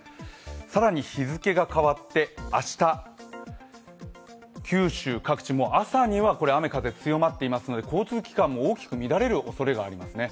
更に日付が変わって明日、九州各地、朝には雨・風強まっていますので、交通機関も大きく乱れるおそれがありますね。